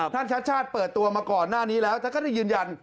ท่านชัดชาติเปิดตัวมาก่อนหน้านี้แล้วแต่ก็ยืนยัน